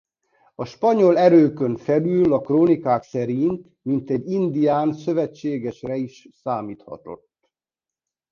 A spanyol erőkön felül a krónikák szerint mintegy indián szövetségesre is számíthatott.